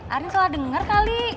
arin salah denger kali